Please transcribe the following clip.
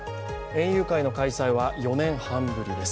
園遊会の開催は、４年半ぶりです。